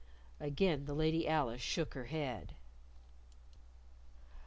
Again the Lady Alice shook her head.